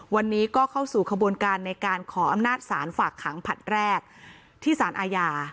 วันนี้ก็เข้าสู่ขบวนการในการขออำนาจศาลฝากขังผลัดแรกที่สารอาญา